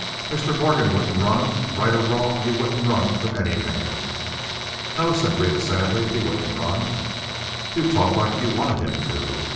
Mr. Morgan wouldn't run. Right or wrong, he wouldn't run from any man!" "No," said Rhetta, sadly, "he wouldn't run." "You talk like you wanted him to!"